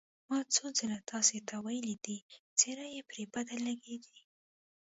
ما څو ځل تاسې ته ویلي دي، څېره یې پرې بده لګېږي.